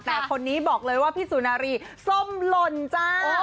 แต่คนนี้บอกเลยว่าพี่สุนารีส้มหล่นจ้า